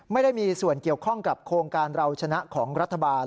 ไม่ได้มีส่วนเกี่ยวข้องกับโครงการเราชนะของรัฐบาล